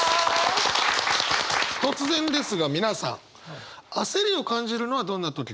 突然ですが皆さん焦りを感じるのはどんな時ですか？